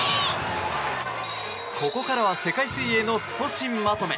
ここからは世界水泳のスポ神まとめ。